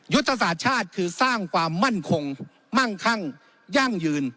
ยุทธศาสตร์ชาติคือสร้างความมั่นคงมั่งคั่งยั่งยืน